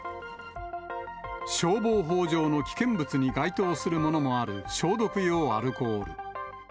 消防法上の危険物に該当するものもある消毒用アルコール。